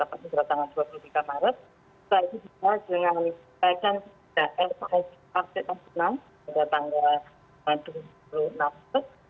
oke ini memang sebelum dikeluarkan sudah dilaksanakan beberapa pertemuan dengan sekretaris